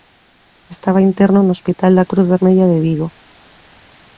Estaba interno no Hospital da Cruz Vermella de Vigo.